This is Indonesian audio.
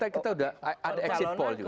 kita sudah ada exit poll juga